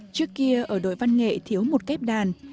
trước kia ở đội văn nghệ thiếu một kép đàn